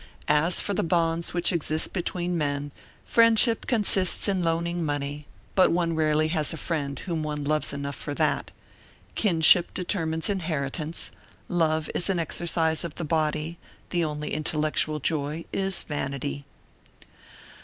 As for the bonds which exist between men, friendship consists in loaning money; but one rarely has a friend whom he loves enough for that. Kinship determines inheritance; love is an exercise of the body; the only intellectual joy is vanity."